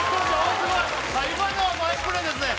今のはファインプレーですね。